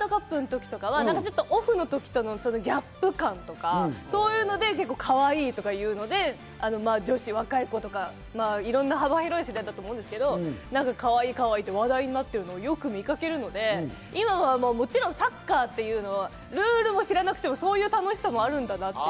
ワールドカップの時とか、オフの時のギャップ感とか、そういうのでかわいいというので、若い子とか幅広い世代だと思うんですけど、「かわいい！かわいい！」と話題になってるのをよく見かけるので、今はもちろんサッカーというのは、ルールも知らなくても、そういう楽しさもあるんだなと。